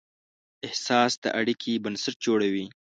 احساس د اړیکې بنسټ جوړوي.